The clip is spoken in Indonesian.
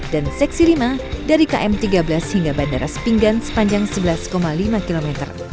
dan seksi lima dari km tiga belas hingga bandara spinggan sepanjang sebelas lima km